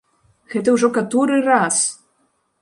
Гэта ўжо каторы раз!